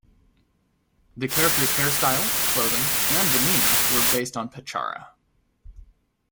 The character's hairstyle, clothing and demeanor were based on Petchara.